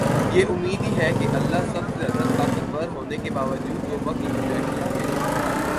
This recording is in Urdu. یہ امید ہی ہے کہ اللہ سب سے زیادہ طاقتور ہونے کے باوجود توبہ کی گنجائش رکھے